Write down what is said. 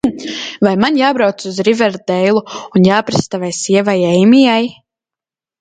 Vai man jābrauc uz Riverdeilu un jāprasa tavai sievai Eimijai?